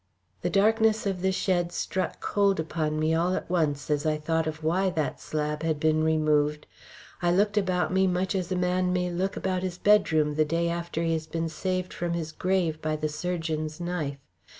The darkness of the shed struck cold upon me all at once, as I thought of why that slab had been removed. I looked about me much as a man may look about his bedroom the day after he has been saved from his grave by the surgeon's knife.